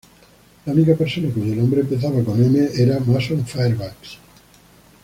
La única persona cuyo nombre empezaba con M era Mason Fairbanks.